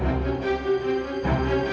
yang sepupu banget